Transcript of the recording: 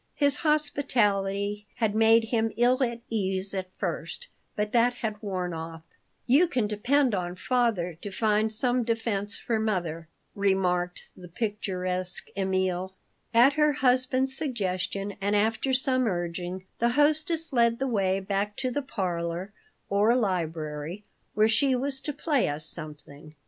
His hospitality had made him ill at ease at first, but that had worn off "You can depend on father to find some defense for mother," remarked the picturesque Emil At her husband's suggestion and after some urging the hostess led the way back to the parlor, or library, where she was to play us something.